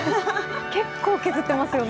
結構削ってますよね。